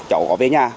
cháu có về nhà